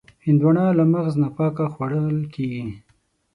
هندوانه له مغز نه پاکه خوړل کېږي.